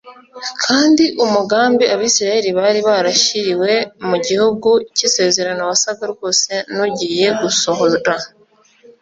kandi umugambi abisirayeli bari barashyiriwe mu gihugu cy'isezerano wasaga rwose n'ugiye gusohora